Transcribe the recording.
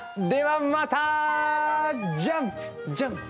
ジャンプジャンプ。